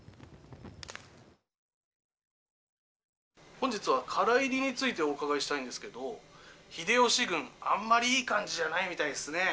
「本日は唐入りについてお伺いしたいんですけど秀吉軍あんまり良い感じじゃないみたいですね」。